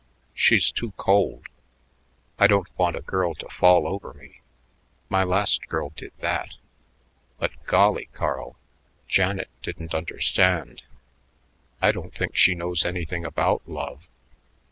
She's too cold. I don't want a girl to fall over me my last girl did that but, golly, Carl, Janet didn't understand. I don't think she knows anything about love."